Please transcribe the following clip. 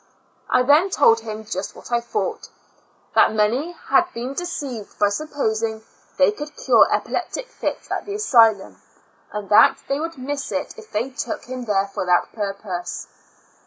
I then told him just what I thought, " that many had been deceived by supposing they could cure epileptic fits at the asylum, and that they would miss it if they took him there for that purpose."